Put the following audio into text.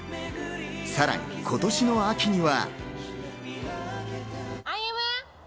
さらに今年の秋には。